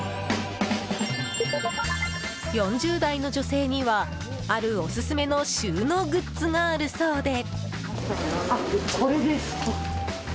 ４０代の女性にはあるオススメの収納グッズがあるそうで。